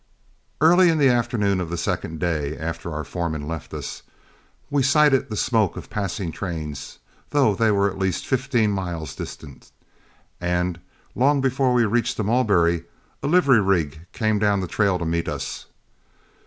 Early in the afternoon of the second day after our foreman left us, we sighted the smoke of passing trains, though they were at least fifteen miles distant, and long before we reached the Mulberry, a livery rig came down the trail to meet us.